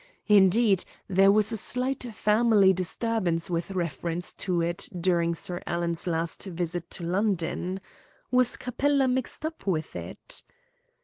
Indeed, there was a slight family disturbance with reference to it during Sir Alan's last visit to London. Was Capella mixed up with it?